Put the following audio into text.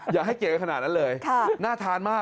อย่าให้เกลียดไว้ขนาดนั้นเลย